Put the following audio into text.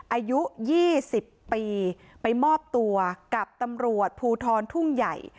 อายุ๒๐ปีไปมอบตัวกับตำรวจภูทรทุ่งใหญ่